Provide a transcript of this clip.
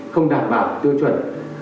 không đảm bảo tiêu chuẩn